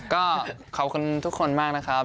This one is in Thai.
ก็ขอบคุณทุกคนมากนะครับ